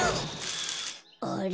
あれ？